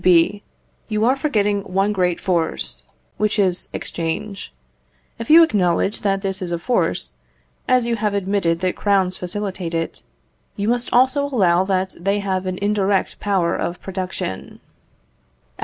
B. You are forgetting one great force, which is exchange. If you acknowledge that this is a force, as you have admitted that crowns facilitate it, you must also allow that they have an indirect power of production.